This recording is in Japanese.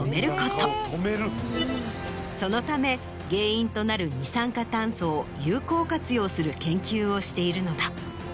そのため原因となる二酸化炭素を有効活用する研究をしているのだ。